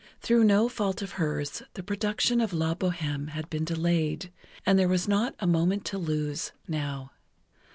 Through no fault of hers, the production of "La Bohême" had been delayed, and there was not a moment to lose, now.